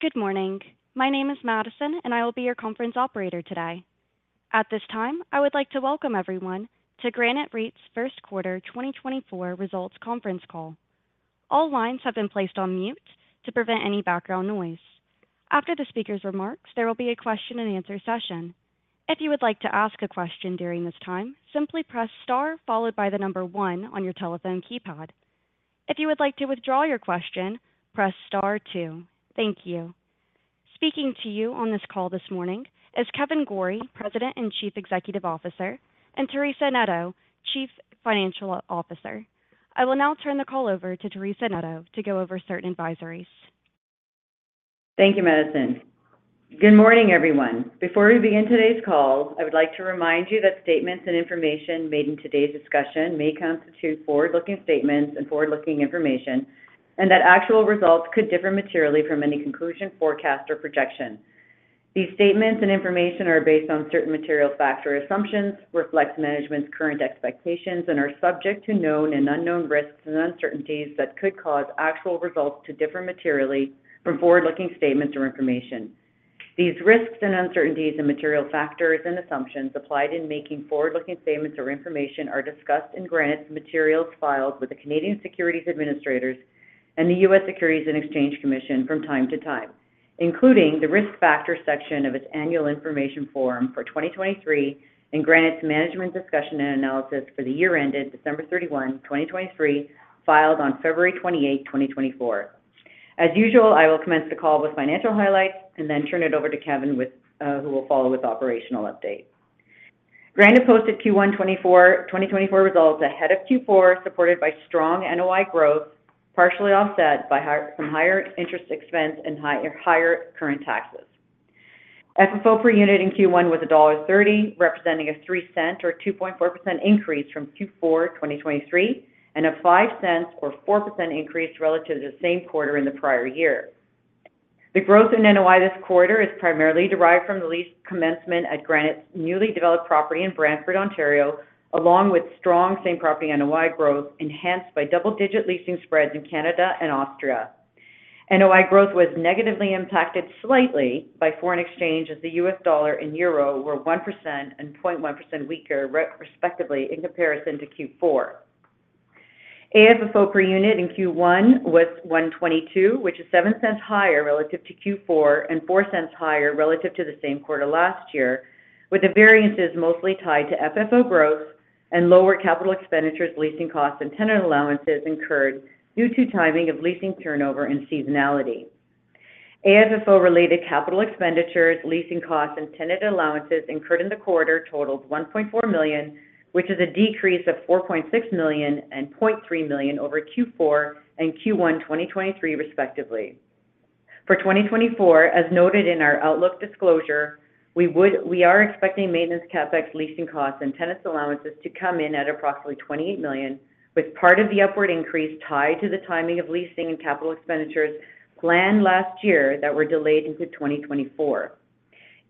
Good morning. My name is Madison, and I will be your conference operator today. At this time, I would like to welcome everyone to Granite REIT's First Quarter 2024 Results Conference call. All lines have been placed on mute to prevent any background noise. After the speaker's remarks, there will be a question-and-answer session. If you would like to ask a question during this time, simply press star followed by the number one on your telephone keypad. If you would like to withdraw your question, press star two. Thank you. Speaking to you on this call this morning is Kevan Gorrie, President and Chief Executive Officer, and Teresa Neto, Chief Financial Officer. I will now turn the call over to Teresa Neto to go over certain advisories. Thank you, Madison. Good morning, everyone. Before we begin today's call, I would like to remind you that statements and information made in today's discussion may constitute forward-looking statements and forward-looking information, and that actual results could differ materially from any conclusion, forecast, or projection. These statements and information are based on certain material factor assumptions, reflect management's current expectations, and are subject to known and unknown risks and uncertainties that could cause actual results to differ materially from forward-looking statements or information. These risks and uncertainties and material factors and assumptions applied in making forward-looking statements or information are discussed in Granite's materials filed with the Canadian Securities Administrators and the U.S. Securities and Exchange Commission from time to time, including the risk factor section of its Annual Information Form for 2023 and Granite's Management's Discussion and Analysis for the year-ended December 31, 2023, filed on February 28, 2024. As usual, I will commence the call with financial highlights and then turn it over to Kevan, who will follow with operational updates. Granite posted Q1 2024 results ahead of Q4, supported by strong NOI growth, partially offset by some higher interest expense and higher current taxes. FFO per unit in Q1 was $1.30, representing a $0.03 or 2.4% increase from Q4 2023 and a $0.05 or 4% increase relative to the same quarter in the prior year. The growth in NOI this quarter is primarily derived from the lease commencement at Granite's newly developed property in Brantford, Ontario, along with strong same-property NOI growth enhanced by double-digit leasing spreads in Canada and Austria. NOI growth was negatively impacted slightly by foreign exchange as the U.S. dollar and euro were 1% and 0.1% weaker, respectively, in comparison to Q4. AFFO per unit in Q1 was $1.22, which is $0.07 higher relative to Q4 and $0.04 higher relative to the same quarter last year, with the variances mostly tied to FFO growth and lower capital expenditures, leasing costs, and tenant allowances incurred due to timing of leasing turnover and seasonality. AFFO-related capital expenditures, leasing costs, and tenant allowances incurred in the quarter totaled $1.4 million, which is a decrease of $4.6 million and $0.3 million over Q4 and Q1 2023, respectively. For 2024, as noted in our outlook disclosure, we are expecting maintenance CapEx, leasing costs, and tenants' allowances to come in at approximately $28 million, with part of the upward increase tied to the timing of leasing and capital expenditures planned last year that were delayed into 2024.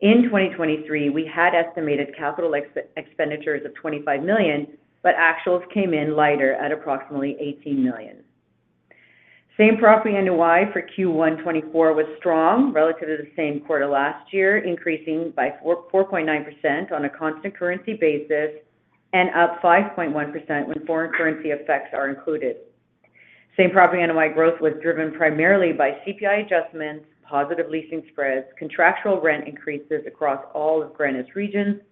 In 2023, we had estimated capital expenditures of $25 million, but actuals came in lighter at approximately $18 million. Same-property NOI for Q1 2024 was strong relative to the same quarter last year, increasing by 4.9% on a constant currency basis and up 5.1% when foreign currency effects are included. Same-property NOI growth was driven primarily by CPI adjustments, positive leasing spreads, contractual rent increases across all of Granite's regions,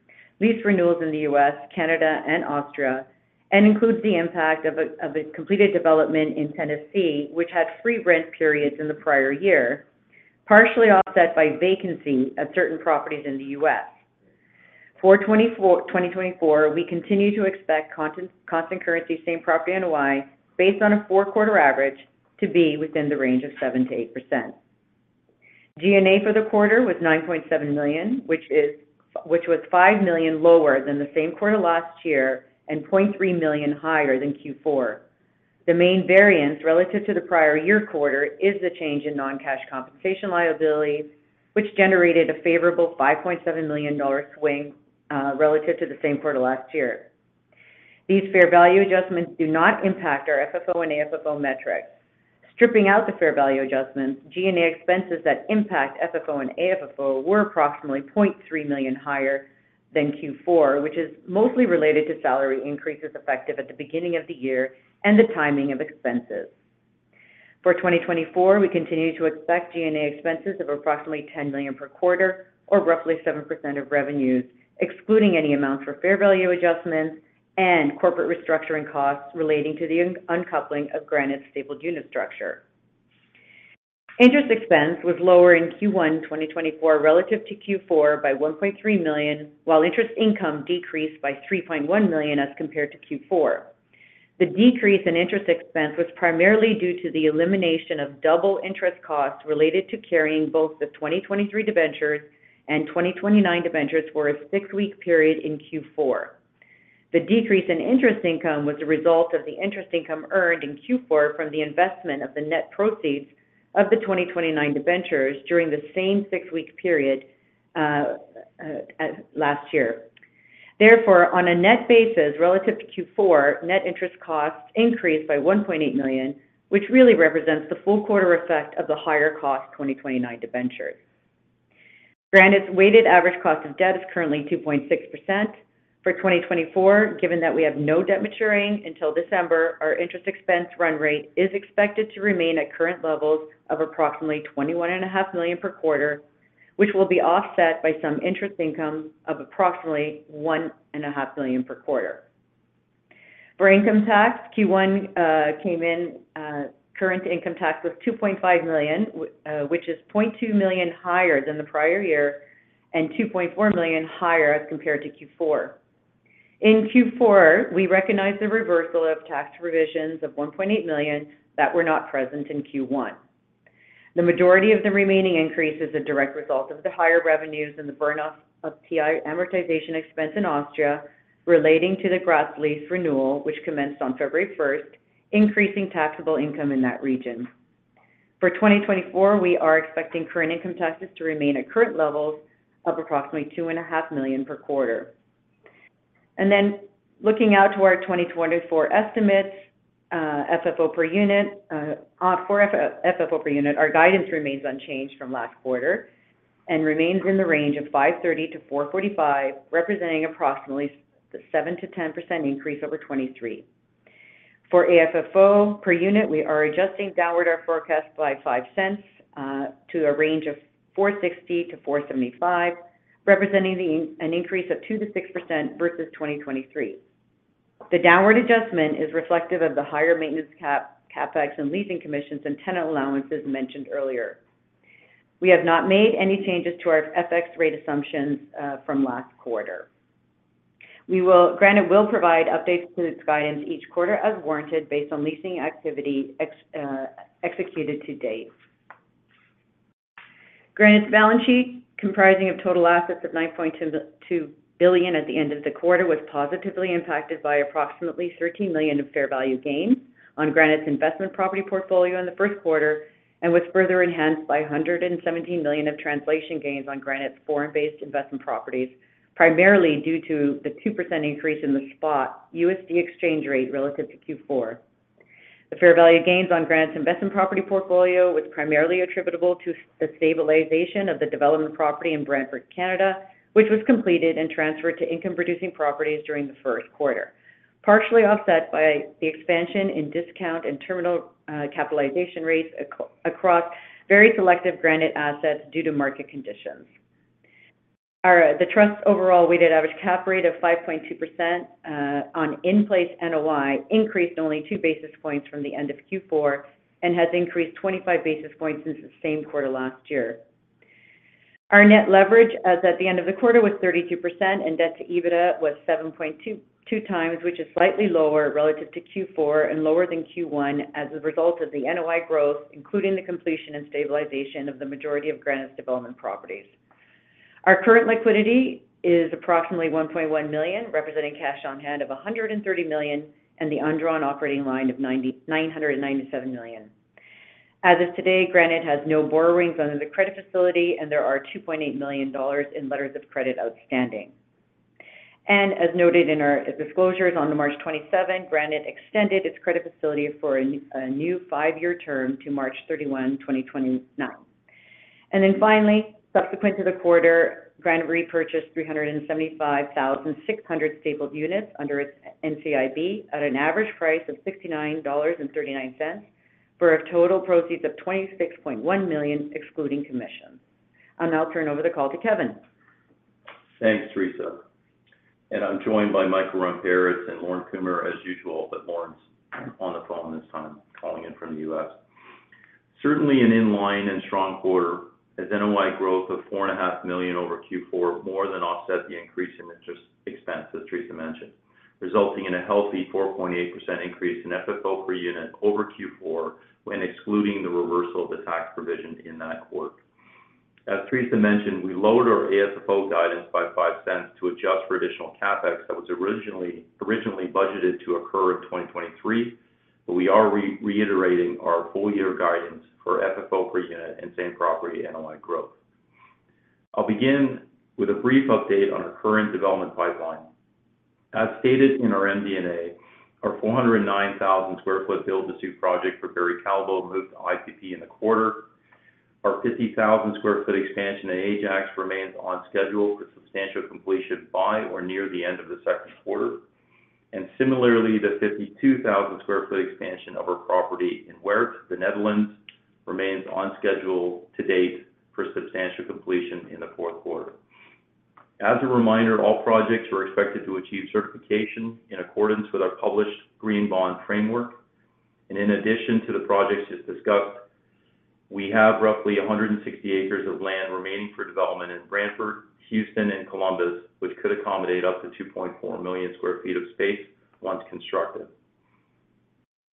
lease renewals in the U.S., Canada, and Austria, and includes the impact of a completed development in Tennessee, which had free rent periods in the prior year, partially offset by vacancy at certain properties in the U.S. For 2024, we continue to expect constant currency same-property NOI, based on a four-quarter average, to be within the range of 7%-8%. G&A for the quarter was $9.7 million, which was $5 million lower than the same quarter last year and $0.3 million higher than Q4. The main variance relative to the prior year quarter is the change in non-cash compensation liabilities, which generated a favorable $5.7 million swing relative to the same quarter last year. These fair value adjustments do not impact our FFO and AFFO metrics. Stripping out the fair value adjustments, G&A expenses that impact FFO and AFFO were approximately $0.3 million higher than Q4, which is mostly related to salary increases effective at the beginning of the year and the timing of expenses. For 2024, we continue to expect G&A expenses of approximately $10 million per quarter or roughly 7% of revenues, excluding any amounts for fair value adjustments and corporate restructuring costs relating to the uncoupling of Granite's stapled unit structure. Interest expense was lower in Q1 2024 relative to Q4 by $1.3 million, while interest income decreased by $3.1 million as compared to Q4. The decrease in interest expense was primarily due to the elimination of double interest costs related to carrying both the 2023 debentures and 2029 debentures for a six-week period in Q4. The decrease in interest income was a result of the interest income earned in Q4 from the investment of the net proceeds of the 2029 debentures during the same six-week period last year. Therefore, on a net basis relative to Q4, net interest costs increased by $1.8 million, which really represents the full quarter effect of the higher-cost 2029 debentures. Granite's weighted average cost of debt is currently 2.6%. For 2024, given that we have no debt maturing until December, our interest expense run rate is expected to remain at current levels of approximately $21.5 million per quarter, which will be offset by some interest income of approximately $1.5 million per quarter. For income tax, Q1, current income tax was $2.5 million, which is $0.2 million higher than the prior year and $2.4 million higher as compared to Q4. In Q4, we recognized the reversal of tax provisions of $1.8 million that were not present in Q1. The majority of the remaining increase is a direct result of the higher revenues and the burn-off of TI amortization expense in Austria relating to the Graz lease renewal, which commenced on February 1st, increasing taxable income in that region. For 2024, we are expecting current income taxes to remain at current levels of approximately $2.5 million per quarter. Looking out to our 2024 estimates, FFO per unit, our guidance remains unchanged from last quarter and remains in the range of $5.30-$4.45, representing approximately a 7%-10% increase over 2023. For AFFO per unit, we are adjusting downward our forecast by $0.05 to a range of $4.60-$4.75, representing an increase of 2%-6% versus 2023. The downward adjustment is reflective of the higher maintenance CapEx and leasing commissions and tenant allowances mentioned earlier. We have not made any changes to our FX rate assumptions from last quarter. Granite will provide updates to its guidance each quarter as warranted based on leasing activity executed to date. Granite's balance sheet, comprising total assets of $9.2 billion at the end of the quarter, was positively impacted by approximately $13 million of fair value gain on Granite's investment property portfolio in the first quarter and was further enhanced by $117 million of translation gains on Granite's foreign-based investment properties, primarily due to the 2% increase in the spot USD exchange rate relative to Q4. The fair value gains on Granite's investment property portfolio was primarily attributable to the stabilization of the development property in Brantford, Canada, which was completed and transferred to income-producing properties during the first quarter, partially offset by the expansion in discount and terminal capitalization rates across very selective Granite assets due to market conditions. The trust's overall weighted average cap rate of 5.2% on in-place NOI increased only two basis points from the end of Q4 and has increased 25 basis points since the same quarter last year. Our net leverage as at the end of the quarter was 32%, and debt to EBITDA was 7.2 times, which is slightly lower relative to Q4 and lower than Q1 as a result of the NOI growth, including the completion and stabilization of the majority of Granite's development properties. Our current liquidity is approximately $1.1 million, representing cash on hand of $130 million and the undrawn operating line of $997 million. As of today, Granite has no borrowings under the credit facility, and there are $2.8 million in letters of credit outstanding. As noted in our disclosures on March 27th, Granite extended its credit facility for a new 5-year term to March 31, 2029. Finally, subsequent to the quarter, Granite repurchased 375,600 stapled units under its NCIB at an average price of $69.39 for total proceeds of $26.1 million, excluding commissions. I'll now turn over the call to Kevan. Thanks, Teresa. I'm joined by Michael Ramparas and Lorne Kumer, as usual, but Lorne's on the phone this time, calling in from the U.S. Certainly an in line and strong quarter as NOI growth of $4.5 million over Q4 more than offset the increase in interest expense, as Teresa mentioned, resulting in a healthy 4.8% increase in FFO per unit over Q4 when excluding the reversal of the tax provision in that quarter. As Teresa mentioned, we lowered our AFFO guidance by $0.05 to adjust for additional CapEx that was originally budgeted to occur in 2023, but we are reiterating our full-year guidance for FFO per unit and same-property NOI growth. I'll begin with a brief update on our current development pipeline. As stated in our MD&A, our 409,000 sq ft build-to-suit project for Barry Callebaut moved to IPP in the quarter. Our 50,000 sq ft expansion in Ajax remains on schedule for substantial completion by or near the end of the second quarter. Similarly, the 52,000 sq ft expansion of our property in Weert, the Netherlands, remains on schedule to date for substantial completion in the fourth quarter. As a reminder, all projects are expected to achieve certification in accordance with our published Green Bond Framework. In addition to the projects just discussed, we have roughly 160 acres of land remaining for development in Brantford, Houston, and Columbus, which could accommodate up to 2.4 million sq ft of space once constructed.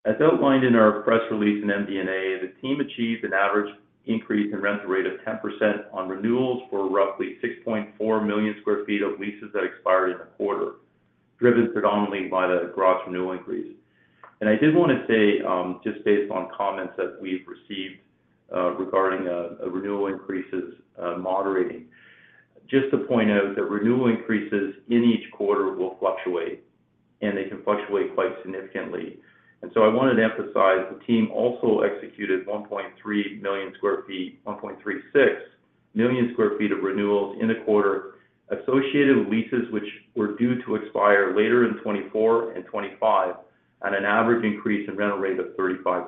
As outlined in our press release and MD&A, the team achieved an average increase in rental rate of 10% on renewals for roughly 6.4 million sq ft of leases that expired in the quarter, driven predominantly by the Graz renewal increase. I did want to say, just based on comments that we've received regarding renewal increases moderating, just to point out that renewal increases in each quarter will fluctuate, and they can fluctuate quite significantly. So I wanted to emphasize, the team also executed 1.3 million sq ft, 1.36 million sq ft of renewals in the quarter associated with leases which were due to expire later in 2024 and 2025 at an average increase in rental rate of 35%.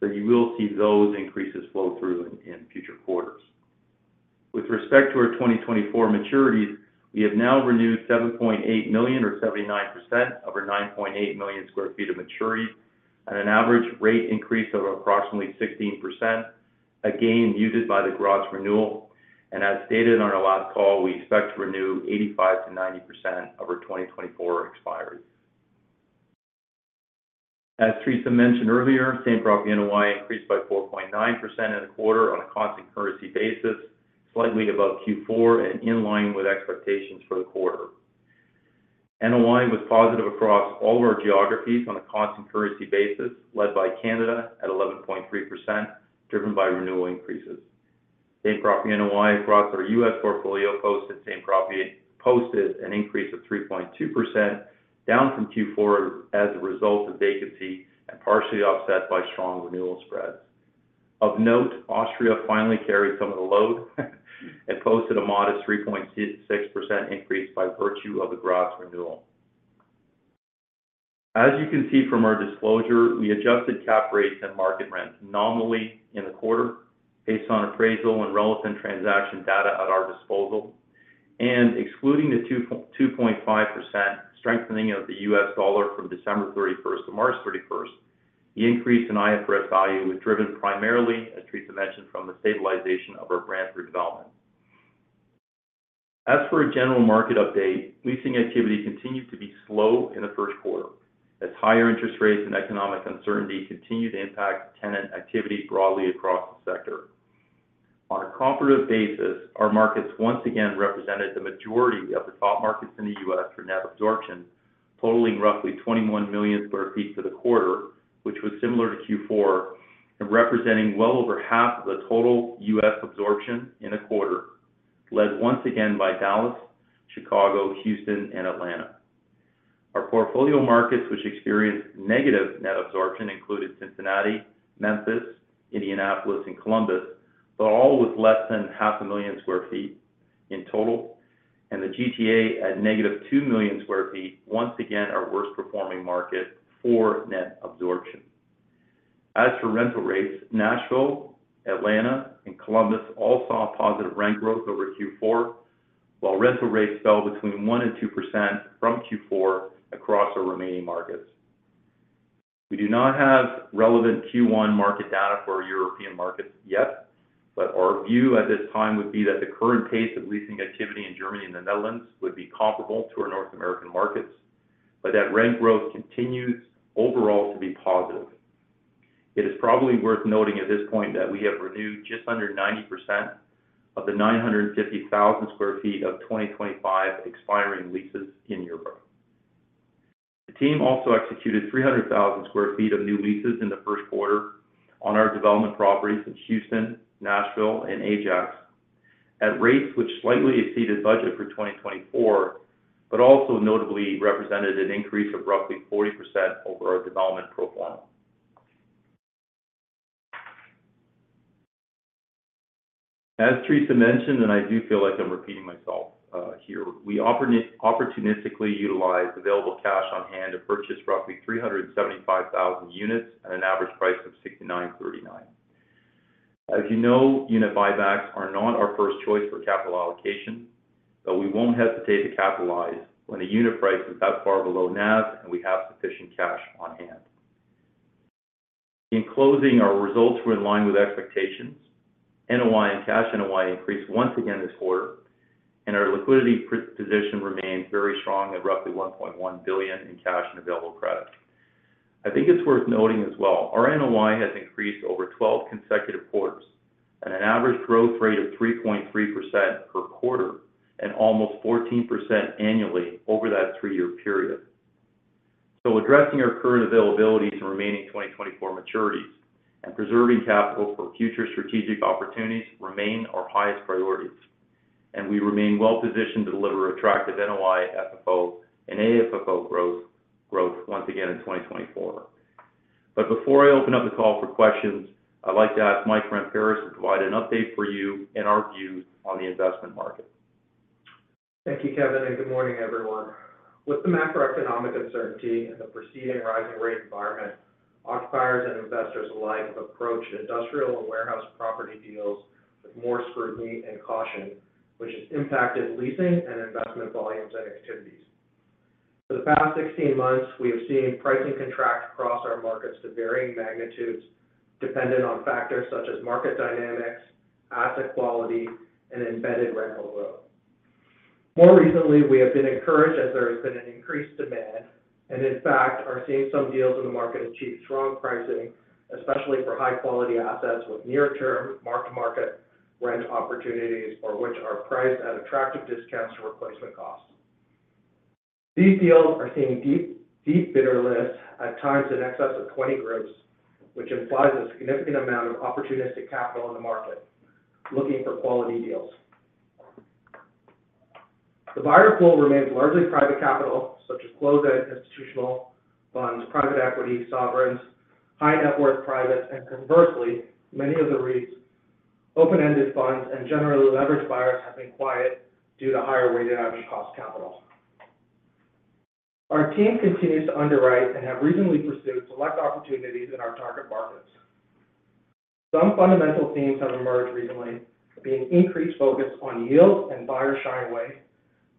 So you will see those increases flow through in future quarters. With respect to our 2024 maturities, we have now renewed 7.8 million or 79% of our 9.8 million sq ft of maturity at an average rate increase of approximately 16%, a gain muted by the Graz renewal. As stated on our last call, we expect to renew 85%-90% of our 2024 expiry. As Teresa mentioned earlier, same-property NOI increased by 4.9% in the quarter on a constant currency basis, slightly above Q4 and in line with expectations for the quarter. NOI was positive across all of our geographies on a constant currency basis, led by Canada at 11.3%, driven by renewal increases. Same-property NOI across our U.S. portfolio posted an increase of 3.2% down from Q4 as a result of vacancy and partially offset by strong renewal spreads. Of note, Austria finally carried some of the load and posted a modest 3.6% increase by virtue of the Graz renewal. As you can see from our disclosure, we adjusted cap rates and market rents nominally in the quarter based on appraisal and relevant transaction data at our disposal. And excluding the 2.5% strengthening of the U.S. dollar from December 31st to March 31st, the increase in IFRS value was driven primarily, as Teresa mentioned, from the stabilization of our Brantford development. As for a general market update, leasing activity continued to be slow in the first quarter as higher interest rates and economic uncertainty continued to impact tenant activity broadly across the sector. On a comparative basis, our markets once again represented the majority of the top markets in the U.S. for net absorption, totaling roughly 21 million sq ft for the quarter, which was similar to Q4, and representing well over half of the total U.S. absorption in a quarter, led once again by Dallas, Chicago, Houston, and Atlanta. Our portfolio markets, which experienced negative net absorption, included Cincinnati, Memphis, Indianapolis, and Columbus, but all with less than 500,000 sq ft in total. The GTA at -2 million sq ft, once again, our worst performing market for net absorption. As for rental rates, Nashville, Atlanta, and Columbus all saw positive rent growth over Q4, while rental rates fell 1% amd 2% from Q4 across our remaining markets. We do not have relevant Q1 market data for our European markets yet, but our view at this time would be that the current pace of leasing activity in Germany and the Netherlands would be comparable to our North American markets, but that rent growth continues overall to be positive. It is probably worth noting at this point that we have renewed just under 90% of the 950,000 sq ft of 2025 expiring leases in Europe. The team also executed 300,000 sq ft of new leases in the first quarter on our development properties in Houston, Nashville, and Ajax at rates which slightly exceeded budget for 2024, but also notably represented an increase of roughly 40% over our development pro forma. As Teresa mentioned, and I do feel like I'm repeating myself here, we opportunistically utilized available cash on hand to purchase roughly 375,000 units at an average price of $69.39. As you know, unit buybacks are not our first choice for capital allocation, but we won't hesitate to capitalize when the unit price is that far below NAV and we have sufficient cash on hand. In closing, our results were in line with expectations. NOI and cash NOI increased once again this quarter, and our liquidity position remained very strong at roughly $1.1 billion in cash and available credit. I think it's worth noting as well, our NOI has increased over 12 consecutive quarters at an average growth rate of 3.3% per quarter and almost 14% annually over that three-year period. Addressing our current availabilities and remaining 2024 maturities and preserving capital for future strategic opportunities remain our highest priorities. We remain well positioned to deliver attractive NOI, FFO, and AFFO growth once again in 2024. Before I open up the call for questions, I'd like to ask Mike Ramparas to provide an update for you and our views on the investment market. Thank you, Kevan, and good morning, everyone. With the macroeconomic uncertainty and the preceding rising rate environment, occupiers and investors alike have approached industrial and warehouse property deals with more scrutiny and caution, which has impacted leasing and investment volumes and activities. For the past 16 months, we have seen pricing contract across our markets to varying magnitudes dependent on factors such as market dynamics, asset quality, and embedded rental growth. More recently, we have been encouraged as there has been an increased demand and, in fact, are seeing some deals in the market achieve strong pricing, especially for high-quality assets with near-term mark-to-market rent opportunities or which are priced at attractive discounts to replacement costs. These deals are seeing deep, deep bidder lists at times in excess of 20 groups, which implies a significant amount of opportunistic capital in the market looking for quality deals. The buyer pool remains largely private capital such as closed-end institutional funds, private equity, sovereigns, high-net-worth privates, and conversely, many of the REITs, open-ended funds, and generally leveraged buyers have been quiet due to higher weighted average cost capital. Our team continues to underwrite and have reasonably pursued select opportunities in our target markets. Some fundamental themes have emerged recently, being increased focus on yields and buyer shying away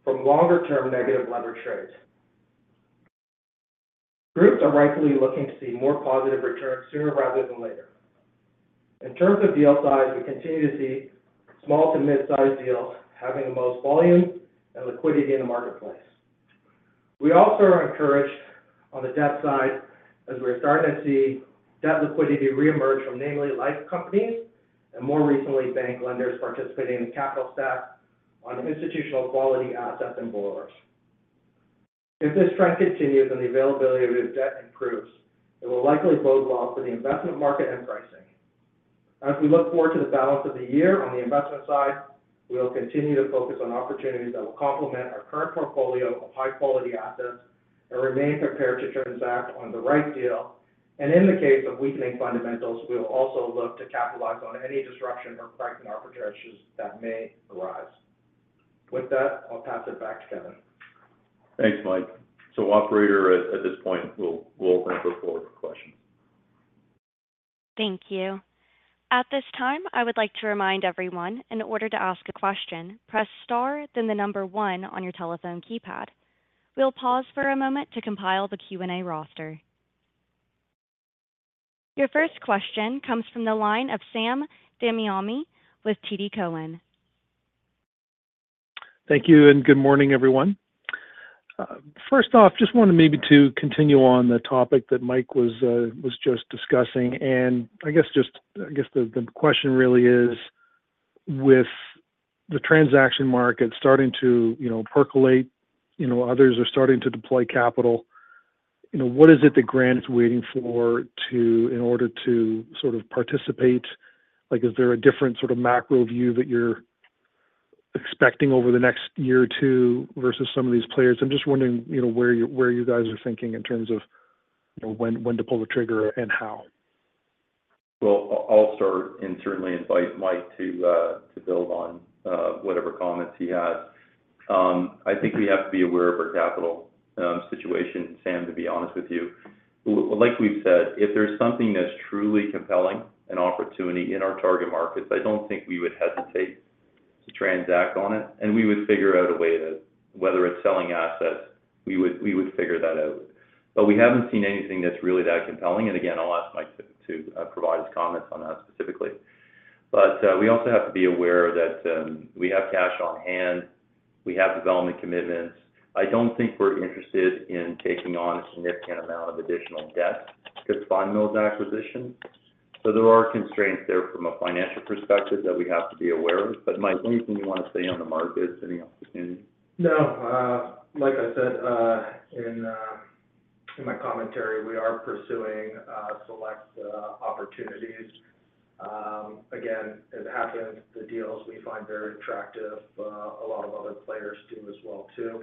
from longer-term negative leverage trades. Groups are rightfully looking to see more positive returns sooner rather than later. In terms of deal size, we continue to see small to mid-sized deals having the most volume and liquidity in the marketplace. We also are encouraged on the debt side as we are starting to see debt liquidity reemerge from namely life companies and more recently bank lenders participating in capital stack on institutional quality assets and borrowers. If this trend continues and the availability of debt improves, it will likely bode well for the investment market and pricing. As we look forward to the balance of the year on the investment side, we will continue to focus on opportunities that will complement our current portfolio of high-quality assets and remain prepared to transact on the right deal. In the case of weakening fundamentals, we will also look to capitalize on any disruption or pricing arbitrages that may arise. With that, I'll pass it back to Kevan. Thanks, Mike. So, operator, at this point, we'll open up the floor for questions. Thank you. At this time, I would like to remind everyone, in order to ask a question, press star, then the number 1 on your telephone keypad. We'll pause for a moment to compile the Q&A roster. Your first question comes from the line of Sam Damiani with TD Cowen. Thank you and good morning, everyone. First off, just wanted maybe to continue on the topic that Mike was just discussing. I guess just I guess the question really is, with the transaction market starting to percolate, others are starting to deploy capital, what is it Granite is waiting for in order to sort of participate? Is there a different sort of macro view that you're expecting over the next year or two versus some of these players? I'm just wondering where you guys are thinking in terms of when to pull the trigger and how. Well, I'll start and certainly invite Mike to build on whatever comments he has. I think we have to be aware of our capital situation, Sam, to be honest with you. Like we've said, if there's something that's truly compelling, an opportunity in our target markets, I don't think we would hesitate to transact on it. And we would figure out a way to whether it's selling assets, we would figure that out. But we haven't seen anything that's really that compelling. And again, I'll ask Mike to provide his comments on that specifically. But we also have to be aware that we have cash on hand. We have development commitments. I don't think we're interested in taking on a significant amount of additional debt because of bolt-on acquisitions. So there are constraints there from a financial perspective that we have to be aware of. Mike, anything you want to say on the markets and the opportunity? No. Like I said in my commentary, we are pursuing select opportunities. Again, as it happens, the deals we find very attractive, a lot of other players do as well too.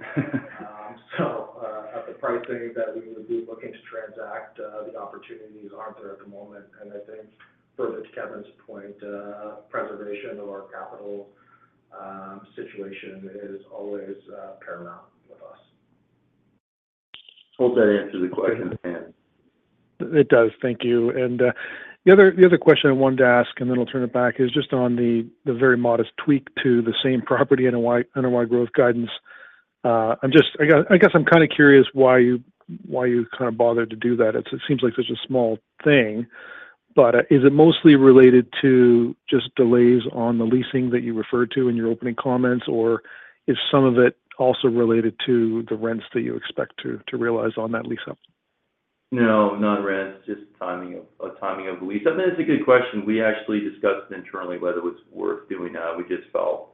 So at the pricing that we would be looking to transact, the opportunities aren't there at the moment. I think, further to Kevan's point, preservation of our capital situation is always paramount with us. Hope that answers the question, Sam. It does. Thank you. And the other question I wanted to ask, and then I'll turn it back, is just on the very modest tweak to the same property NOI growth guidance. I guess I'm kind of curious why you kind of bothered to do that. It seems like such a small thing. But is it mostly related to just delays on the leasing that you referred to in your opening comments, or is some of it also related to the rents that you expect to realize on that lease-up? No, not rents, just timing of the lease-up. And it's a good question. We actually discussed it internally whether it was worth doing that. We just felt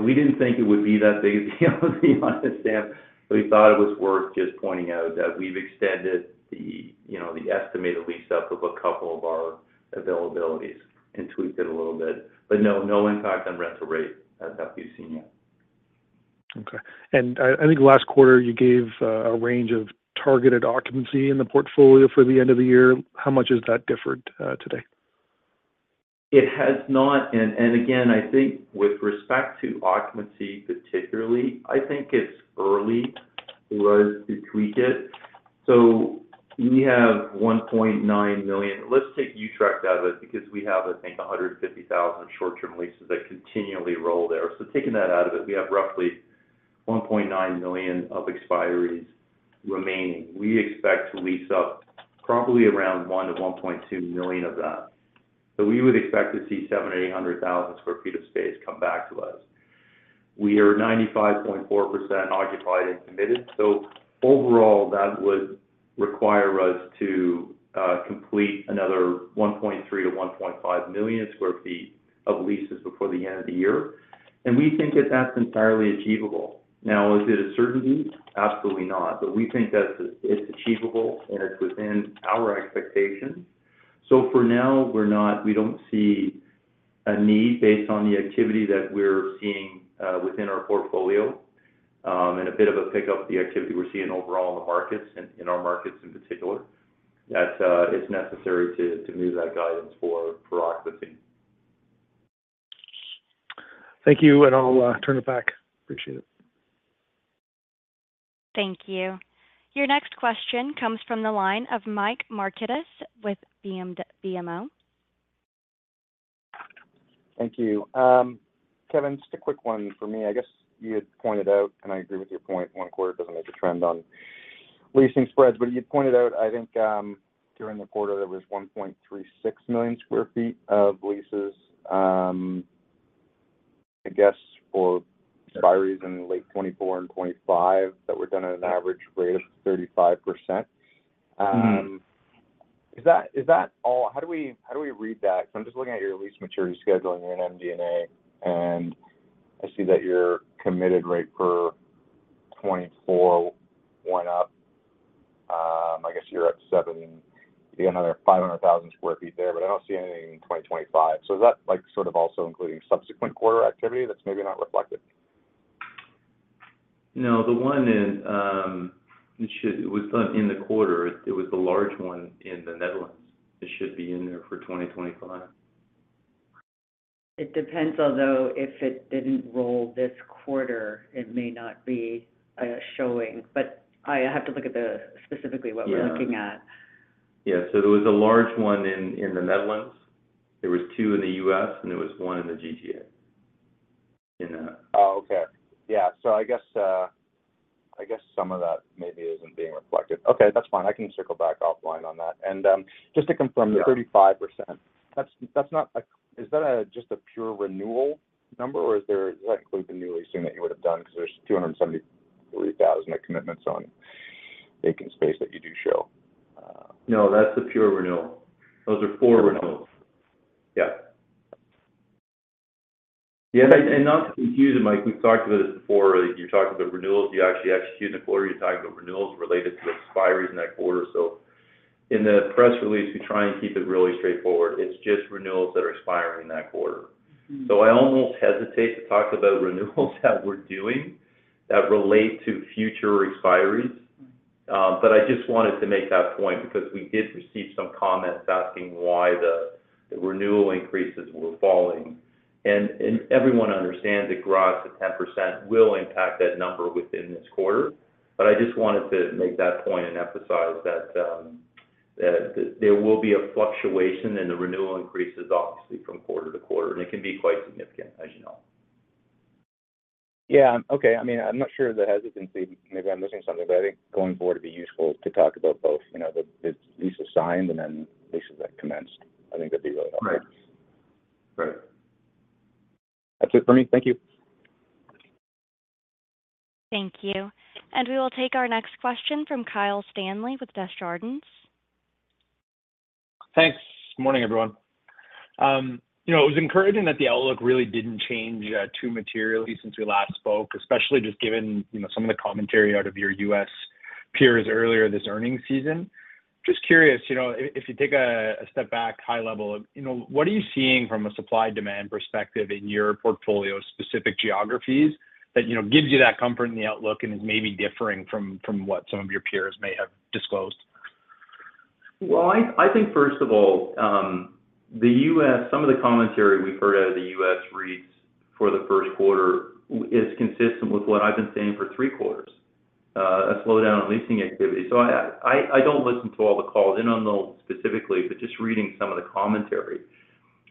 we didn't think it would be that big a deal, to be honest, Sam. But we thought it was worth just pointing out that we've extended the estimated lease-up of a couple of our availabilities and tweaked it a little bit. But no, no impact on rental rate that we've seen yet. Okay. And I think last quarter, you gave a range of targeted occupancy in the portfolio for the end of the year. How much has that differed today? It has not. And again, I think with respect to occupancy particularly, I think it's early. Was to tweak it. So we have 1.9 million, let's take Utrecht out of it because we have, I think, 150,000 short-term leases that continually roll there. So taking that out of it, we have roughly 1.9 million of expiries remaining. We expect to lease up probably around 1 million-1.2 million of that. So we would expect to see 700,000-800,000 sq ft of space come back to us. We are 95.4% occupied and committed. So overall, that would require us to complete another 1.3-1.5 million sq ft of leases before the end of the year. And we think that that's entirely achievable. Now, is it a certainty? Absolutely not. But we think that it's achievable, and it's within our expectations. For now, we don't see a need based on the activity that we're seeing within our portfolio and a bit of a pickup of the activity we're seeing overall in the markets, in our markets in particular, that it's necessary to move that guidance for occupancy. Thank you. I'll turn it back. Appreciate it. Thank you. Your next question comes from the line of Mike Markidis with BMO. Thank you. Kevan, just a quick one for me. I guess you had pointed out, and I agree with your point, one quarter doesn't make a trend on leasing spreads. But you pointed out, I think, during the quarter, there was 1.36 million sq ft of leases, I guess, for expiries in late 2024 and 2025 that were done at an average rate of 35%. Is that all? How do we read that? Because I'm just looking at your lease maturity schedule in your MD&A, and I see that your commitment rate for 2024 went up. I guess you're at 700,000 sq ft there, but I don't see anything in 2025. So is that sort of also including subsequent quarter activity that's maybe not reflected? No, the one in it was done in the quarter. It was the large one in the Netherlands. It should be in there for 2025. It depends, although if it didn't roll this quarter, it may not be showing. But I have to look at the specifically what we're looking at. Yeah. So there was a large one in the Netherlands. There was two in the U.S., and there was one in the GTA in that. Oh, okay. Yeah. So I guess some of that maybe isn't being reflected. Okay, that's fine. I can circle back offline on that. And just to confirm, the 35%, that's not, is that just a pure renewal number, or does that include the new leasing that you would have done? Because there's 273,000 at commitments on vacant space that you do show. No, that's the pure renewal. Those are four renewals. Yeah. Yeah. And not to confuse it, Mike, we've talked about this before. You're talking about renewals. You actually execute in the quarter. You're talking about renewals related to expiries in that quarter. So in the press release, we try and keep it really straightforward. It's just renewals that are expiring in that quarter. So I almost hesitate to talk about renewals that we're doing that relate to future expiries. But I just wanted to make that point because we did receive some comments asking why the renewal increases were falling. And everyone understands that gross at 10% will impact that number within this quarter. But I just wanted to make that point and emphasize that there will be a fluctuation in the renewal increases, obviously, from quarter to quarter. And it can be quite significant, as you know. Yeah. Okay. I mean, I'm not sure the hesitancy. Maybe I'm missing something. But I think going forward, it'd be useful to talk about both, the lease assigned and then leases that commenced. I think that'd be really helpful. Right. Right. That's it for me. Thank you. Thank you. We will take our next question from Kyle Stanley with Desjardins Securities. Thanks. Good morning, everyone. It was encouraging that the outlook really didn't change too materially since we last spoke, especially just given some of the commentary out of your U.S. peers earlier this earnings season. Just curious, if you take a step back, high level, what are you seeing from a supply-demand perspective in your portfolio's specific geographies that gives you that comfort in the outlook and is maybe differing from what some of your peers may have disclosed? Well, I think, first of all, some of the commentary we've heard out of the U.S. REITs for the first quarter is consistent with what I've been saying for three quarters, a slowdown on leasing activity. So I don't listen to all the calls in on those specifically, but just reading some of the commentary,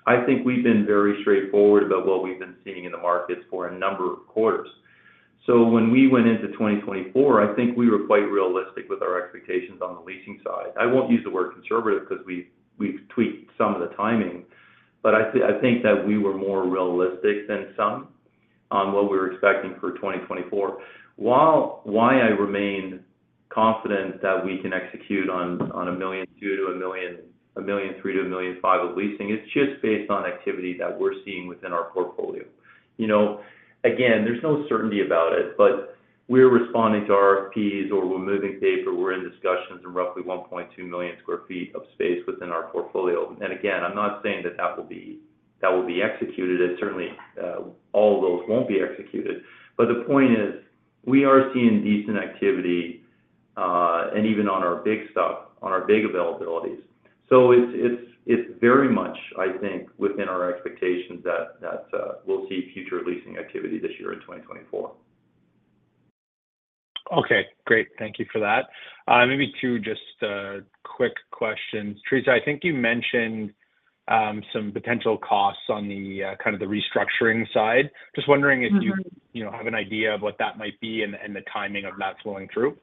I think we've been very straightforward about what we've been seeing in the markets for a number of quarters. So when we went into 2024, I think we were quite realistic with our expectations on the leasing side. I won't use the word conservative because we've tweaked some of the timing. But I think that we were more realistic than some on what we were expecting for 2024. Why I remain confident that we can execute on 1.2 million to 1.3 million to 1.5 million of leasing is just based on activity that we're seeing within our portfolio. Again, there's no certainty about it, but we're responding to RFPs or we're moving paper. We're in discussions in roughly 1.2 million sq ft of space within our portfolio. And again, I'm not saying that that will be executed. Certainly, all of those won't be executed. But the point is, we are seeing decent activity and even on our big stuff, on our big availabilities. So it's very much, I think, within our expectations that we'll see future leasing activity this year in 2024. Okay. Great. Thank you for that. Maybe two just quick questions. Teresa, I think you mentioned some potential costs on the kind of the restructuring side. Just wondering if you have an idea of what that might be and the timing of that flowing through.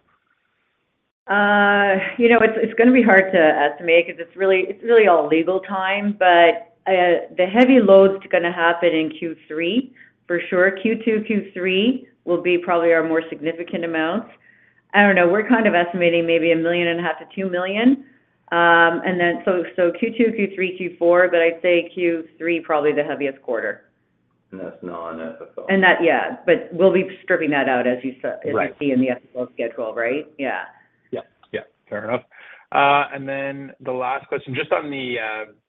It's going to be hard to estimate because it's really all legal time. But the heavy loads are going to happen in Q3, for sure. Q2, Q3 will be probably our more significant amounts. I don't know. We're kind of estimating maybe $1.5 million-$2 million. And then so Q2, Q3, Q4, but I'd say Q3 probably the heaviest quarter. That's non-FFO. Yeah. But we'll be stripping that out, as you see, in the FFO schedule, right? Yeah. Yeah. Yeah. Fair enough. And then the last question, just on the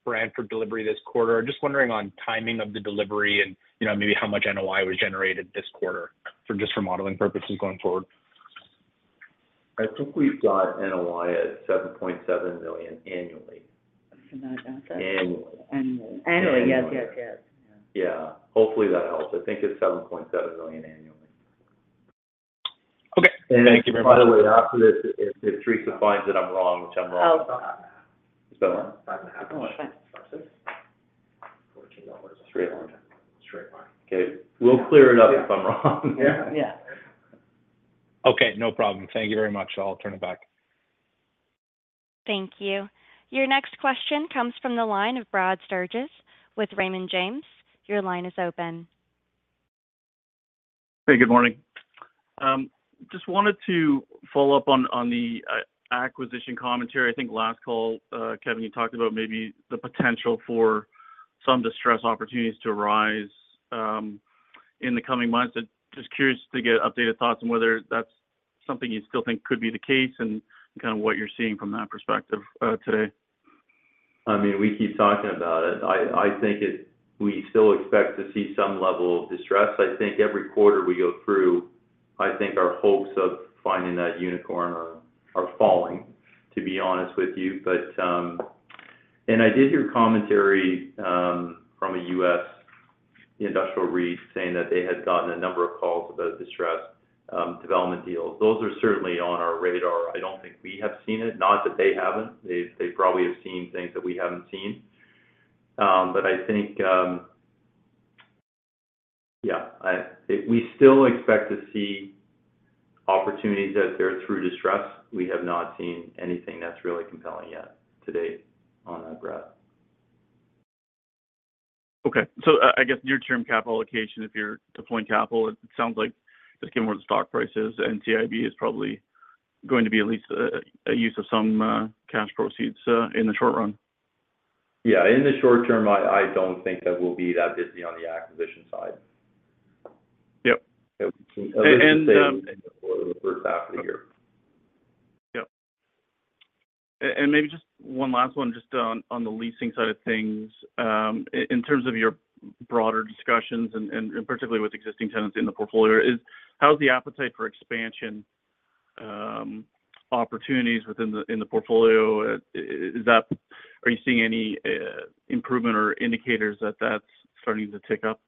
Brantford delivery this quarter, I'm just wondering on timing of the delivery and maybe how much NOI was generated this quarter just for modeling purposes going forward. I think we've got NOI at $7.7 million annually. I've not got that. Annually. Annually. Annually. Yes, yes, yes. Yeah. Hopefully, that helps. I think it's $7.7 million annually. Okay. Thank you very much. By the way, after this, if Teresa finds that I'm wrong, which I'm wrong. Oh, sorry. Is that what? Oh, it's fine. Okay. We'll clear it up if I'm wrong. Yeah. Yeah. Okay. No problem. Thank you very much. I'll turn it back. Thank you. Your next question comes from the line of Brad Sturges with Raymond James. Your line is open. Hey. Good morning. Just wanted to follow up on the acquisition commentary. I think last call, Kevan, you talked about maybe the potential for some distress opportunities to arise in the coming months. Just curious to get updated thoughts on whether that's something you still think could be the case and kind of what you're seeing from that perspective today. I mean, we keep talking about it. I think we still expect to see some level of distress. I think every quarter we go through, I think our hopes of finding that unicorn are falling, to be honest with you. And I did hear commentary from a U.S. industrial REIT saying that they had gotten a number of calls about distressed development deals. Those are certainly on our radar. I don't think we have seen it. Not that they haven't. They probably have seen things that we haven't seen. But I think, yeah, we still expect to see opportunities out there through distress. We have not seen anything that's really compelling yet to date on that breadth. Okay. So I guess near-term capital allocation, if you're deploying capital, it sounds like, just given where the stock price is, NCIB is probably going to be at least a use of some cash proceeds in the short run. Yeah. In the short term, I don't think that we'll be that busy on the acquisition side. Yep. At least in the first half of the year. Yep. And maybe just one last one, just on the leasing side of things, in terms of your broader discussions and particularly with existing tenants in the portfolio, is how's the appetite for expansion opportunities within the portfolio? Are you seeing any improvement or indicators that that's starting to tick up?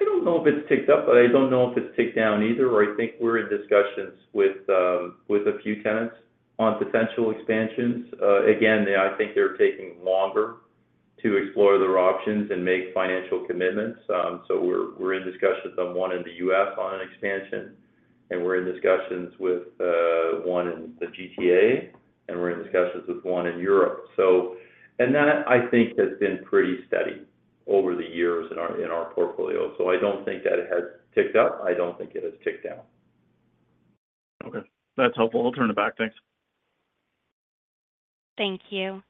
I don't know if it's ticked up, but I don't know if it's ticked down either. I think we're in discussions with a few tenants on potential expansions. Again, I think they're taking longer to explore their options and make financial commitments. So we're in discussions with them one in the U.S. on an expansion, and we're in discussions with one in the GTA, and we're in discussions with one in Europe. And that, I think, has been pretty steady over the years in our portfolio. So I don't think that it has ticked up. I don't think it has ticked down. Okay. That's helpful. I'll turn it back. Thanks. Thank you.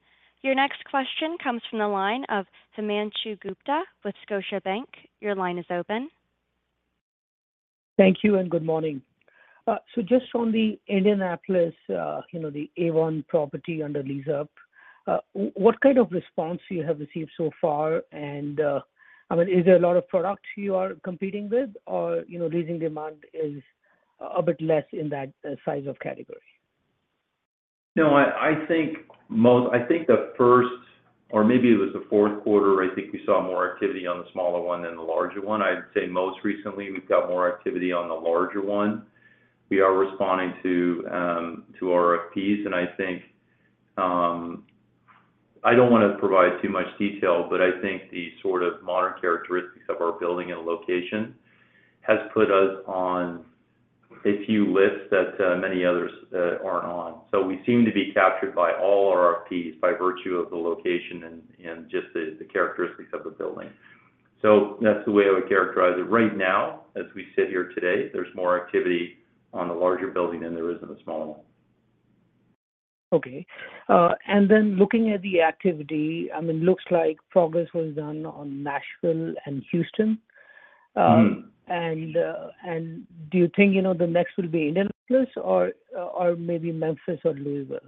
Your next question comes from the line of Himanshu Gupta with Scotiabank. Your line is open. Thank you and good morning. So just on the Indianapolis, the A1 property under lease-up, what kind of response do you have received so far? And I mean, is there a lot of product you are competing with, or leasing demand is a bit less in that size of category? No, I think the first or maybe it was the fourth quarter. I think we saw more activity on the smaller one than the larger one. I'd say most recently, we've got more activity on the larger one. We are responding to RFPs. And I don't want to provide too much detail, but I think the sort of modern characteristics of our building and location has put us on a few lists that many others aren't on. So we seem to be captured by all RFPs by virtue of the location and just the characteristics of the building. So that's the way I would characterize it. Right now, as we sit here today, there's more activity on the larger building than there is in the smaller one. Okay. And then looking at the activity, I mean, it looks like progress was done on Nashville and Houston. Do you think the next will be Indianapolis or maybe Memphis or Louisville?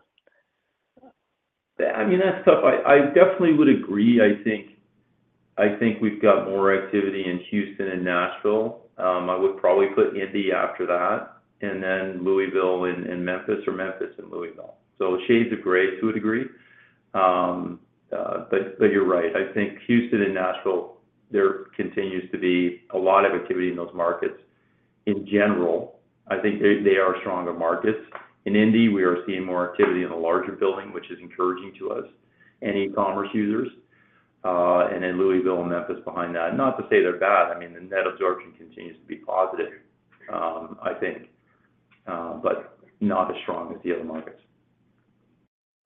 I mean, that's tough. I definitely would agree. I think we've got more activity in Houston and Nashville. I would probably put Indy after that and then Louisville and Memphis or Memphis and Louisville. So shades of gray, to a degree. But you're right. I think Houston and Nashville, there continues to be a lot of activity in those markets. In general, I think they are stronger markets. In Indy, we are seeing more activity in the larger building, which is encouraging to us and e-commerce users. And then Louisville and Memphis behind that. Not to say they're bad. I mean, the net absorption continues to be positive, I think, but not as strong as the other markets.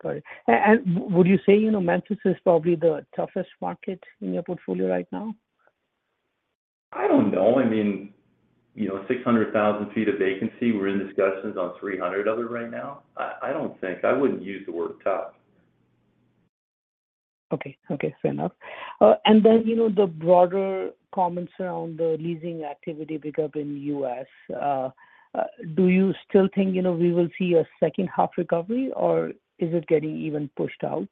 Got it. And would you say Memphis is probably the toughest market in your portfolio right now? I don't know. I mean, 600,000 sq ft of vacancy. We're in discussions on 300,000 of it right now. I don't think. I wouldn't use the word tough. Okay. Okay. Fair enough. And then the broader comments around the leasing activity pickup in the U.S., do you still think we will see a second-half recovery, or is it getting even pushed out?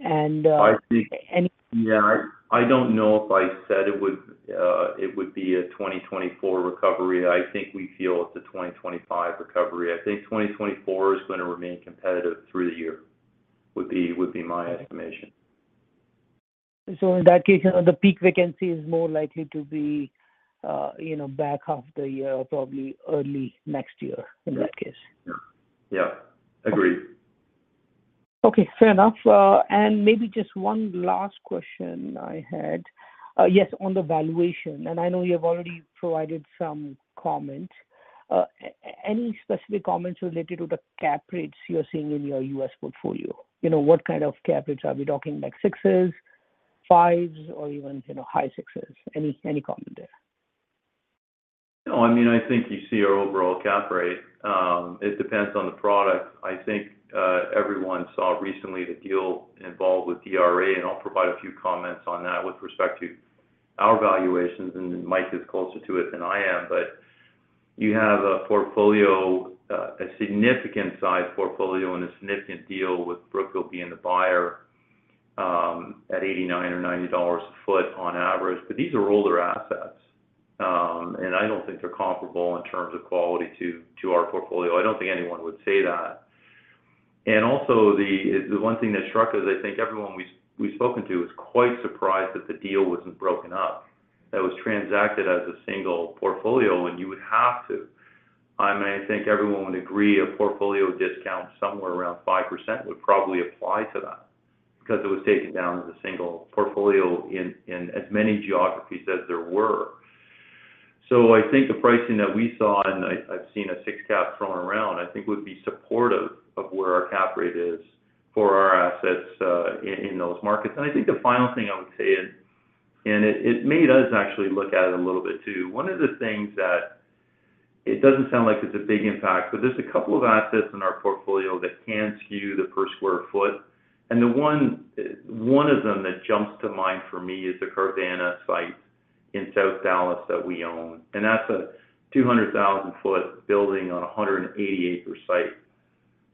And any. Yeah. I don't know if I said it would be a 2024 recovery. I think we feel it's a 2025 recovery. I think 2024 is going to remain competitive through the year would be my estimation. In that case, the peak vacancy is more likely to be back half the year, probably early next year in that case. Yeah. Yeah. Agreed. Okay. Fair enough. And maybe just one last question I had. Yes, on the valuation. And I know you have already provided some comments. Any specific comments related to the cap rates you're seeing in your U.S. portfolio? What kind of cap rates are we talking, like sixes, fives, or even high sixes? Any comment there? No. I mean, I think you see our overall cap rate. It depends on the product. I think everyone saw recently the deal involved with DRA, and I'll provide a few comments on that with respect to our valuations. And Mike is closer to it than I am. But you have a significant-sized portfolio and a significant deal with Brookfield being the buyer at $89 or $90 a foot on average. But these are older assets, and I don't think they're comparable in terms of quality to our portfolio. I don't think anyone would say that. And also, the one thing that struck us, I think everyone we've spoken to was quite surprised that the deal wasn't broken up. That was transacted as a single portfolio, and you would have to. I mean, I think everyone would agree a portfolio discount somewhere around 5% would probably apply to that because it was taken down as a single portfolio in as many geographies as there were. So I think the pricing that we saw, and I've seen a six-cap thrown around, I think would be supportive of where our cap rate is for our assets in those markets. And I think the final thing I would say, and it made us actually look at it a little bit too, one of the things that it doesn't sound like there's a big impact, but there's a couple of assets in our portfolio that can skew the per sq ft. And one of them that jumps to mind for me is the Carvana site in South Dallas that we own. And that's a 200,000 sq ft building on a 180-acre site.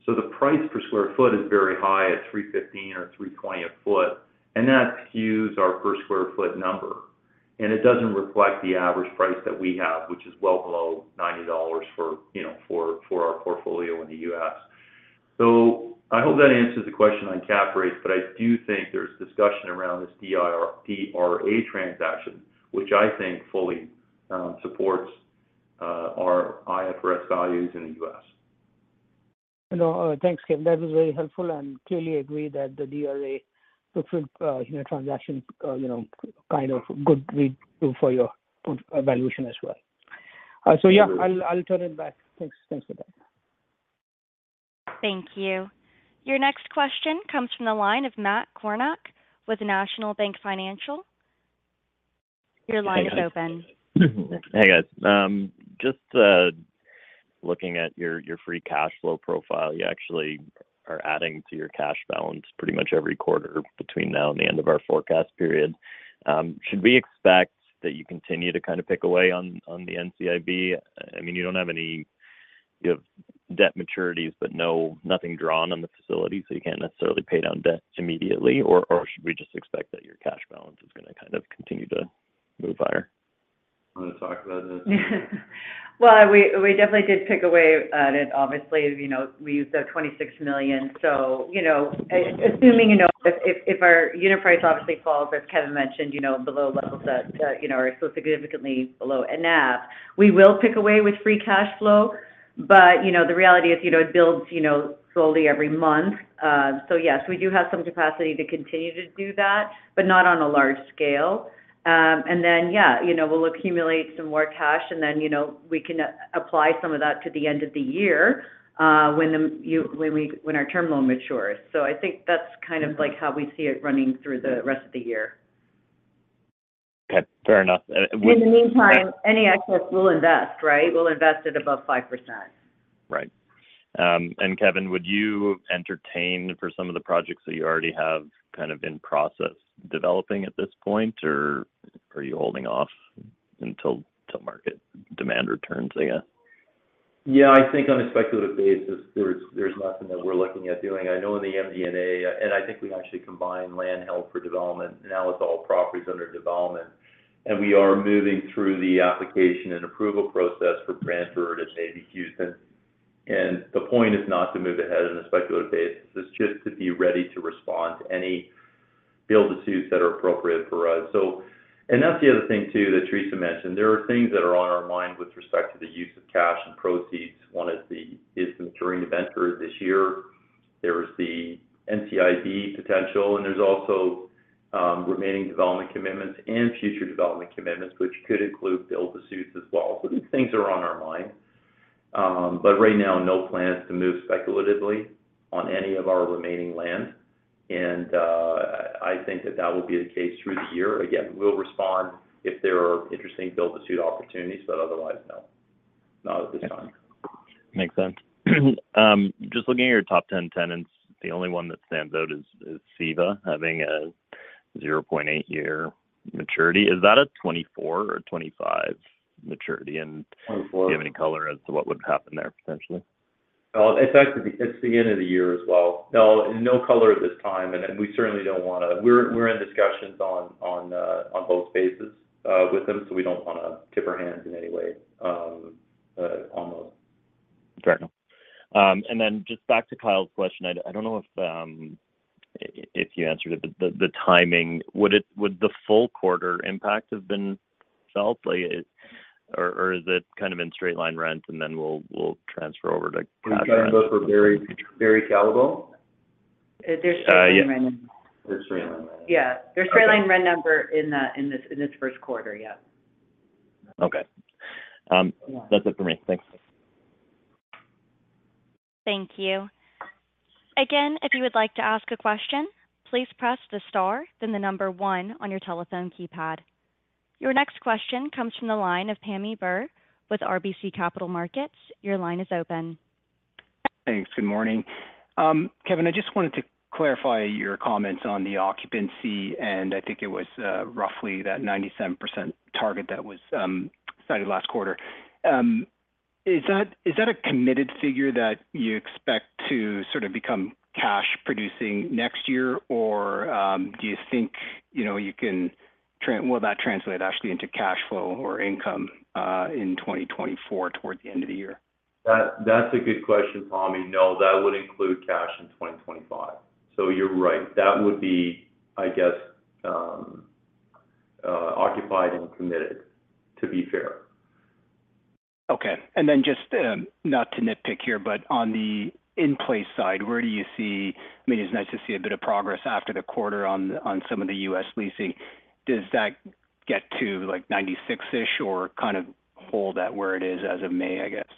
The price per sq ft is very high at 315 or 320 per sq ft. That skews our per sq ft number. It doesn't reflect the average price that we have, which is well below $90 for our portfolio in the U.S. I hope that answers the question on cap rates, but I do think there's discussion around this DRA transaction, which I think fully supports our IFRS values in the U.S. No. Thanks, Kevan. That was very helpful. And clearly agree that the DRA Brookfield transaction kind of good read too for your valuation as well. So yeah, I'll turn it back. Thanks for that. Thank you. Your next question comes from the line of Matt Kornack with National Bank Financial. Your line is open. Hey, guys. Just looking at your free cash flow profile, you actually are adding to your cash balance pretty much every quarter between now and the end of our forecast period. Should we expect that you continue to kind of pick away on the NCIB? I mean, you don't have any debt maturities, but nothing drawn on the facility, so you can't necessarily pay down debt immediately. Or should we just expect that your cash balance is going to kind of continue to move higher? Want to talk about this? Well, we definitely did pick away at it. Obviously, we used up $26 million. So assuming if our unit price obviously falls, as Kevan mentioned, below levels that are so significantly below NAV, we will pick away with free cash flow. But the reality is it builds slowly every month. So yes, we do have some capacity to continue to do that, but not on a large scale. And then, yeah, we'll accumulate some more cash, and then we can apply some of that to the end of the year when our term loan matures. So I think that's kind of how we see it running through the rest of the year. Okay. Fair enough. In the meantime, any excess, we'll invest, right? We'll invest it above 5%. Right. And Kevan, would you entertain for some of the projects that you already have kind of in process developing at this point, or are you holding off until market demand returns, I guess? Yeah. I think on a speculative basis, there's nothing that we're looking at doing. I know in the MD&A and I think we actually combined land held for development. Now it's all properties under development. We are moving through the application and approval process for Brantford and maybe Houston. The point is not to move ahead on a speculative basis. It's just to be ready to respond to any build-to-suits that are appropriate for us. That's the other thing too that Teresa mentioned. There are things that are on our mind with respect to the use of cash and proceeds. One is the maturing of ventures this year. There's the NCIB potential. There's also remaining development commitments and future development commitments, which could include build-to-suits as well. So these things are on our mind. But right now, no plans to move speculatively on any of our remaining land. I think that that will be the case through the year. Again, we'll respond if there are interesting build-to-suit opportunities, but otherwise, no. Not at this time. Makes sense. Just looking at your top 10 tenants, the only one that stands out is CEVA having a 0.8-year maturity. Is that a 2024 or a 2025 maturity? And do you have any color as to what would happen there potentially? In fact, it's the end of the year as well. No, no color at this time. And we certainly don't want to, we're in discussions on both bases with them, so we don't want to tip our hands in any way on those. Fair enough. And then just back to Kyle's question, I don't know if you answered it, but the timing, would the full quarter impact have been felt, or is it kind of in straight-line rent, and then we'll transfer over to cash rent? We've got a note for Barry Callebaut. There's straight-line rent in. There's straight-line rent. Yeah. There's straight-line rent number in this first quarter. Yeah. Okay. That's it for me. Thanks. Thank you. Again, if you would like to ask a question, please press the star, then the number 1 on your telephone keypad. Your next question comes from the line of Pammi Bir with RBC Capital Markets. Your line is open. Thanks. Good morning. Kevan, I just wanted to clarify your comments on the occupancy. I think it was roughly that 97% target that was cited last quarter. Is that a committed figure that you expect to sort of become cash-producing next year, or do you think you can will that translate actually into cash flow or income in 2024 towards the end of the year? That's a good question, Pammi. No, that would include cash in 2025. So you're right. That would be, I guess, occupied and committed, to be fair. Okay. Then just not to nitpick here, but on the in-place side, where do you see? I mean, it's nice to see a bit of progress after the quarter on some of the U.S. leasing. Does that get to 96-ish or kind of hold at where it is as of May, I guess?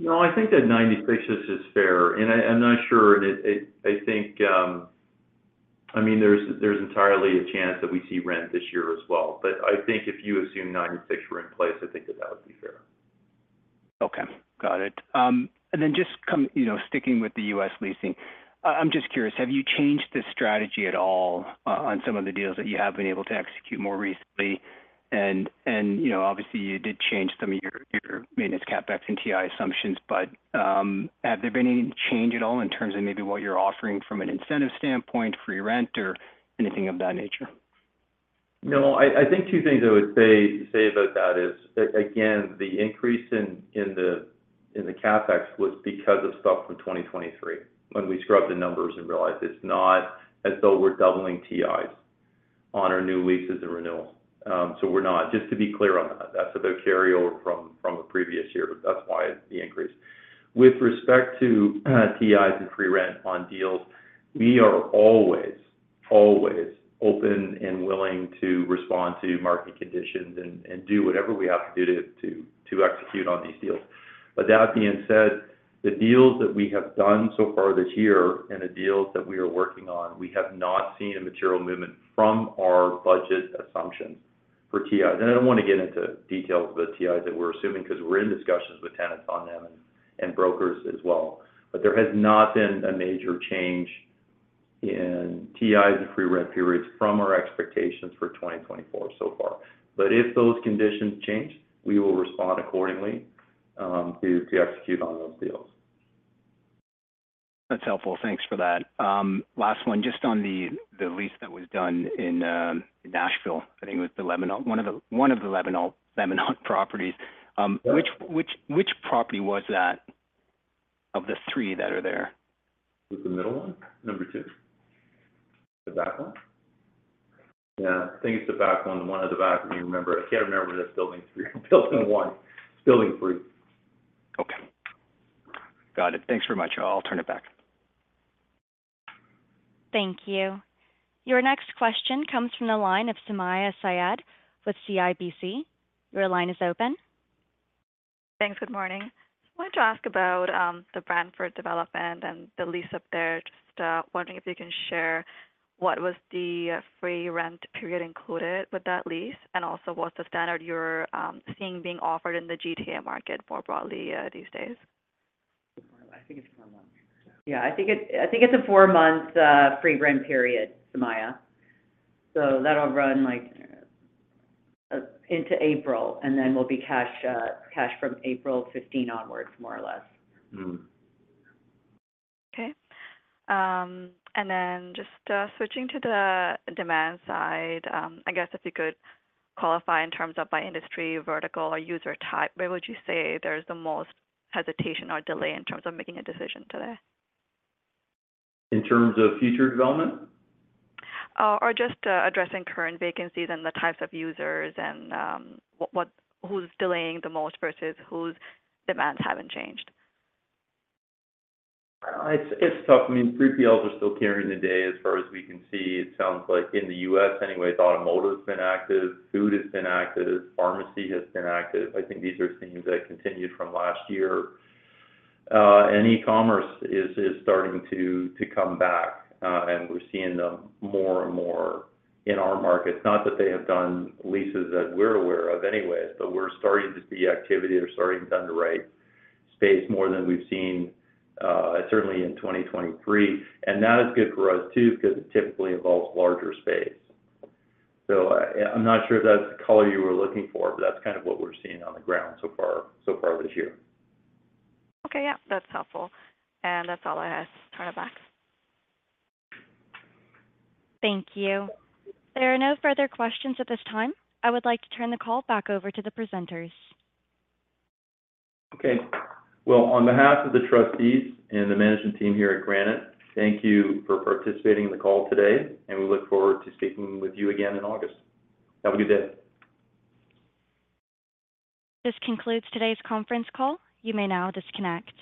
No, I think that 96-ish is fair. I'm not sure. I think I mean, there's entirely a chance that we see rent this year as well. But I think if you assume 96 were in place, I think that that would be fair. Okay. Got it. And then just sticking with the U.S. leasing, I'm just curious, have you changed the strategy at all on some of the deals that you have been able to execute more recently? And obviously, you did change some of your maintenance CapEx and TI assumptions, but have there been any change at all in terms of maybe what you're offering from an incentive standpoint, free rent, or anything of that nature? No. I think two things I would say about that is, again, the increase in the CapEx was because of stuff from 2023 when we scrubbed the numbers and realized it's not as though we're doubling TIs on our new leases and renewals. So we're not. Just to be clear on that. That's a carryover from a previous year. That's why the increase. With respect to TIs and free rent on deals, we are always, always open and willing to respond to market conditions and do whatever we have to do to execute on these deals. But that being said, the deals that we have done so far this year and the deals that we are working on, we have not seen a material movement from our budget assumptions for TIs. I don't want to get into details about TIs that we're assuming because we're in discussions with tenants on them and brokers as well. There has not been a major change in TIs and free rent periods from our expectations for 2024 so far. If those conditions change, we will respond accordingly to execute on those deals. That's helpful. Thanks for that. Last one, just on the lease that was done in Nashville, I think it was the Lebanon one of the Lebanon properties. Which property was that of the three that are there? Was the middle one, number two, the back one? Yeah. I think it's the back one. The one at the back, if you remember. I can't remember whether it's building three or building one. It's building three. Okay. Got it. Thanks very much. I'll turn it back. Thank you. Your next question comes from the line of Sumayya Syed with CIBC. Your line is open. Thanks. Good morning. I wanted to ask about the Brantford development and the lease up there. Just wondering if you can share what was the free rent period included with that lease, and also what's the standard you're seeing being offered in the GTA market more broadly these days? I think it's four months. Yeah. I think it's a four-month free rent period, Sumayya. So that'll run into April, and then we'll be cash from April 15 onwards, more or less. Okay. Just switching to the demand side, I guess if you could qualify in terms of by industry, vertical, or user type, where would you say there's the most hesitation or delay in terms of making a decision today? In terms of future development? Or just addressing current vacancies and the types of users and who's delaying the most versus whose demands haven't changed? It's tough. I mean, 3PLs are still carrying the day as far as we can see. It sounds like in the U.S. anyway, automotive's been active. Food has been active. Pharmacy has been active. I think these are themes that continued from last year. And e-commerce is starting to come back, and we're seeing them more and more in our markets. Not that they have done leases that we're aware of anyways, but we're starting to see activity. They're starting to underwrite space more than we've seen, certainly in 2023. And that is good for us too because it typically involves larger space. So I'm not sure if that's the color you were looking for, but that's kind of what we're seeing on the ground so far this year. Okay. Yeah. That's helpful. That's all I have. Turn it back. Thank you. There are no further questions at this time. I would like to turn the call back over to the presenters. Okay. Well, on behalf of the trustees and the management team here at Granite, thank you for participating in the call today, and we look forward to speaking with you again in August. Have a good day. This concludes today's conference call. You may now disconnect.